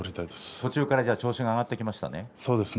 途中から調子は上がってきましたね。